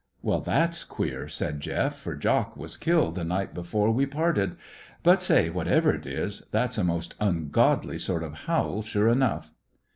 "Well, that's queer," said Jeff; "for Jock was killed the night before we parted. But, say, whatever it is, that's a most ungodly sort o' howl, sure enough!"